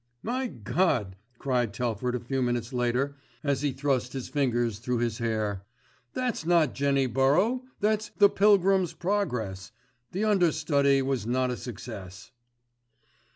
"My God!" cried Telford a few minutes later as he thrust his fingers through his hair. "That's not Jenny Burrow, that's The Pilgrim's Progress. The understudy was not a success."